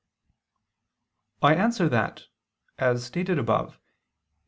I answer that, As stated above (Q.